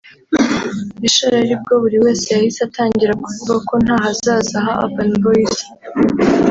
Richard aribwo buri wese yahise atangira kuvuga ko nta hazaza ha Urban Boys